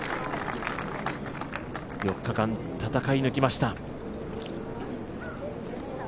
４日間、戦い抜きました。